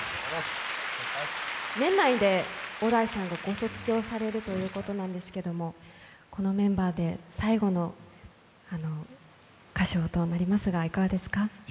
年内で小田井さんがご卒業されるということですけれどもこのメンバーで最後の歌唱となりますが、いかがですか？